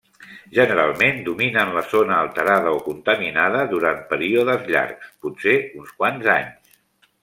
Generalment dominen la zona alterada o contaminada durant períodes llargs, potser uns quants anys.